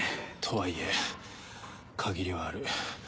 とはいえ限りはある。